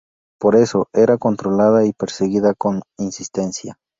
Por eso, era controlada y perseguida con insistencia.